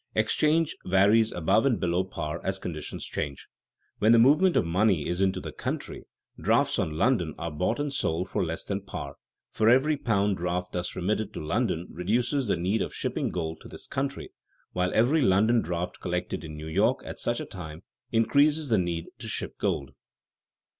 Exchange varies above and below par as conditions change. When the movement of money is into the country, drafts on London are bought and sold for less than par, for every pound draft thus remitted to London reduces the need of shipping gold to this country, while every London draft collected in New York at such a time increases the need to ship gold.